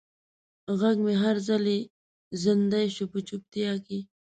غږ مې هر ځلې زندۍ شو په چوپتیا کې